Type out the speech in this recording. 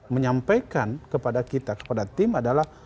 menyampaikan kepada kita kepada tim adalah